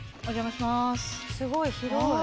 「すごい広い」